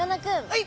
はい。